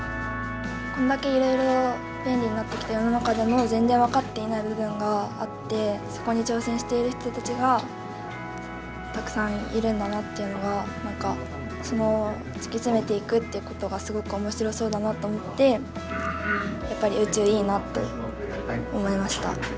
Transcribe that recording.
こんだけいろいろ便利になってきた世の中でも全然分かっていない部分があってそこに挑戦している人たちがたくさんいるんだなっていうのがその突き詰めていくっていうことがすごく面白そうだなと思ってやっぱり宇宙いいなと思いました。